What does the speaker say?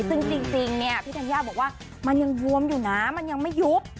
ซึ่งจริงเนี่ยพี่ธัญญาบอกว่ามันยังบวมอยู่นะมันยังไม่ยุบ